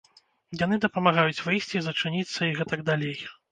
Яны дапамагаюць выйсці, зачыніцца і гэтак далей.